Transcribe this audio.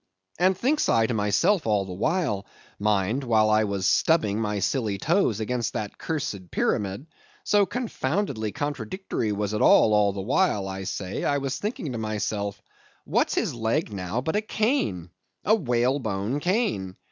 And thinks I to myself all the while, mind, while I was stubbing my silly toes against that cursed pyramid—so confoundedly contradictory was it all, all the while, I say, I was thinking to myself, 'what's his leg now, but a cane—a whalebone cane.